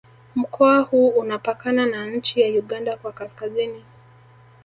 Mkoa huu unapakana na nchi ya Uganda kwa Kaskazini